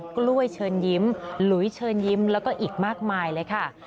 กล้วยเชิญยิ้มหลุยเชิญยิ้มแล้วก็อีกมากมายเลยค่ะ